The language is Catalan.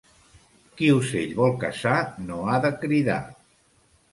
Qui ocell vol caçar no ha de cridar.